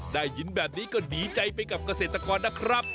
ได้ยินแบบนี้ก็ดีใจไปกับเกษตรกรนะครับ